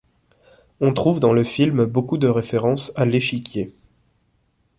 On trouve dans le film beaucoup de références à l'échiquier.